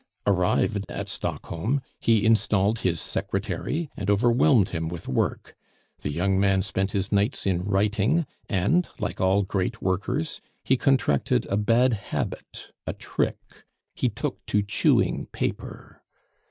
"Arrived at Stockholm, he installed his secretary and overwhelmed him with work. The young man spent his nights in writing, and, like all great workers, he contracted a bad habit, a trick he took to chewing paper.